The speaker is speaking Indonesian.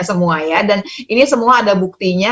semua ya dan ini semua ada buktinya